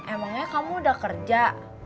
emangnya kamu udah kerja